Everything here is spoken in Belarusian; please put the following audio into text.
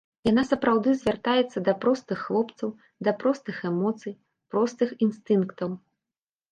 Яна сапраўды звяртаецца да простых хлопцаў, да простых эмоцый, простых інстынктаў.